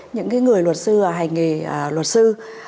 những người luật sư và hành nghề luật sư